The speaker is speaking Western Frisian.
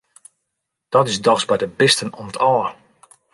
Dat is dochs by de bisten om't ôf!